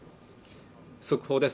速報です